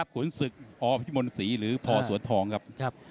ขุนศึกอพิมลศรีหรือพอสวนทองครับ